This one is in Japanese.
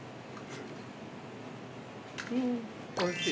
◆ふぅん、おいしい。